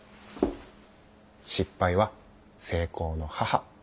「失敗は成功の母」。